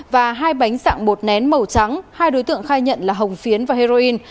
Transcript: và hai bánh dạng bột nén màu trắng hai đối tượng khai nhận là hồng phiến và heroin